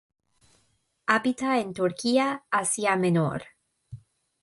Habita en Turquía, Asia Menor.